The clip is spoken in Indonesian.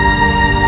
dan di mana